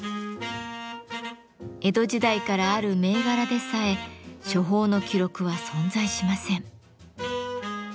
江戸時代からある銘柄でさえ処方の記録は存在しません。